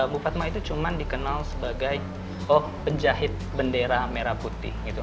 bupat mah itu cuma dikenal sebagai penjahit bendera merah putih